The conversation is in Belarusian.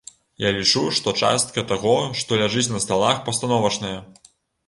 Я лічу, што частка таго, што ляжыць на сталах, пастановачная.